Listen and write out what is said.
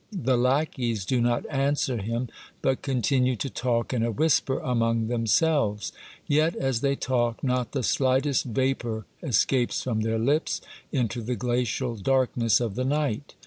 The lackeys do not answer him, but continue to talk in a whisper among themselves ; yet, as they talk, not the slightest vapor escapes from their lips into the glacial darkness of the night.